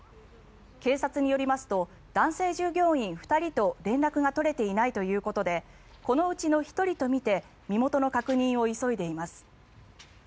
警察によりますと男性従業員２人と連絡が取れていないということでこのうちの１人とみて身元の確認を急いでいます。